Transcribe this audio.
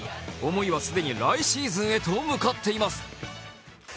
思いは既に来シーズンへと向かっています。